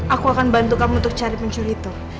aku akan bantu kamu untuk cari pencuri itu